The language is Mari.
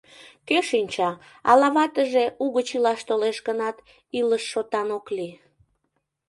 Кӧ шинча: ала ватыже угыч илаш толеш гынат, илыш шотан ок лий?